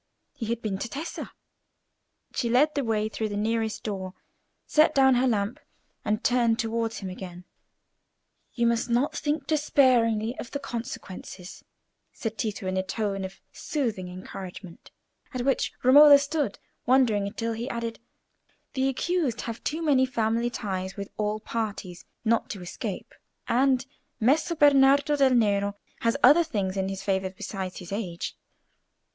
He had been to Tessa. She led the way through the nearest door, set down her lamp, and turned towards him again. "You must not think despairingly of the consequences," said Tito, in a tone of soothing encouragement, at which Romola stood wondering, until he added, "The accused have too many family ties with all parties not to escape; and Messer Bernardo del Nero has other things in his favour besides his age."